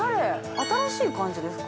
新しい感じですか？